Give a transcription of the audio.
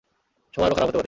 সময় আরো খারাপ হতে পারে।